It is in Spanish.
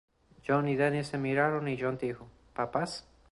John y Denny se miraron y John dijo, "¿Papás?